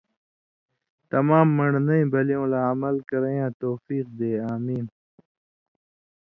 تمام من٘ڑنئ بلیُوں لا عمل کریں یاں توفیق دے۔ آمین